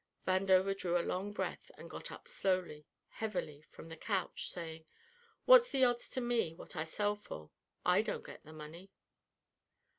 Vandover drew a long breath and got up slowly, heavily, from the couch, saying: "What's the odds to me what I sell for? I don't get the money."